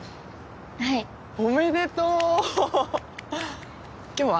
はいおめでとう今日は？